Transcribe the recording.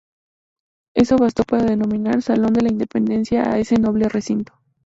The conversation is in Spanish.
Eso bastó para denominar "Salón de la Independencia" a ese noble recinto.